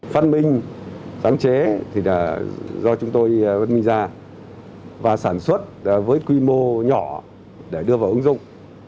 phân minh sáng chế thì là do chúng tôi phân minh ra và sản xuất với quy mô nhỏ để đưa vào ứng dụng